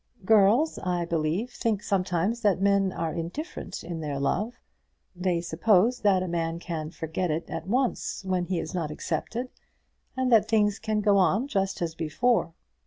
"Girls, I believe, think sometimes that men are indifferent in their love. They suppose that a man can forget it at once when he is not accepted, and that things can go on just as before."